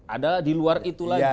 ada di luar itu lagi